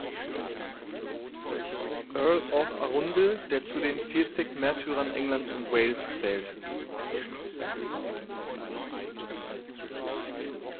Earl of Arundel, der zu den vierzig Märtyrern Englands und Wales zählt.